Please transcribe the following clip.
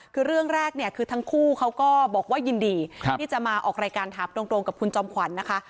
คือเรื่องแรกเนี่ยคือทั้งคู่เขาก็บอกว่ายินดีที่จะมาออกรายการถามตรงกับคุณจอมขวัญนะคะ